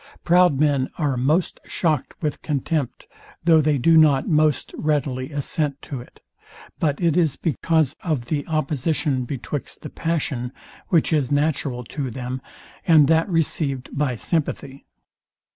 Proud men are most shocked with contempt, should they do not most readily assent to it; but it is because of the opposition betwixt the passion, which is natural to them, and that received by sympathy.